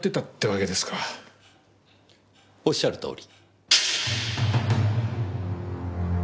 おっしゃる通り。